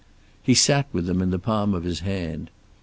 He sat with them in the palm of his hand.